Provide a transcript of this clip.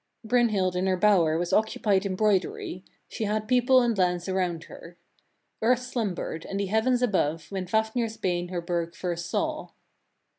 18. Brynhild in her bower was occupied in broidery: she had people and lands around her. Earth slumbered, and the heavens above, when Fafnir's bane her burgh first saw.